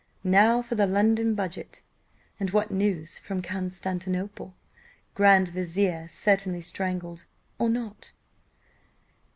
Now for the London budget, and 'what news from Constantinople? Grand vizier certainly strangled, or not?